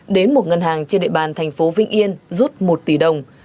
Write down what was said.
đến một ngân hàng trên địa bàn tp vĩnh yên rút một tỷ đồng